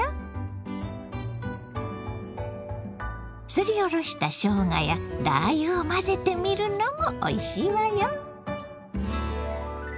すりおろしたしょうがやラー油を混ぜてみるのもおいしいわよ。